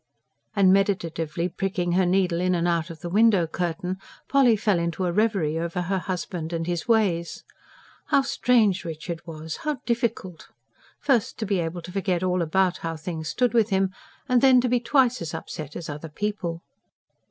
And meditatively pricking her needle in and out of the window curtain, Polly fell into a reverie over her husband and his ways. How strange Richard was ... how difficult! First, to be able to forget all about how things stood with him, and then to be twice as upset as other people.